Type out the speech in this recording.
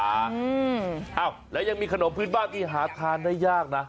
อ้าวแล้วยังมีขนมพื้นบ้านที่หาทานได้ยากนะ